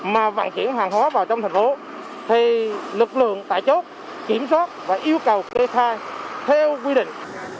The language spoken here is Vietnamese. mà vận chuyển hàng hóa vào trong thành phố thì lực lượng tại chốt kiểm soát và yêu cầu kê khai theo quy định